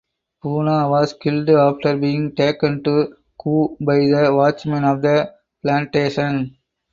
Puna was killed after being taken to Kou by the watchman of the plantation.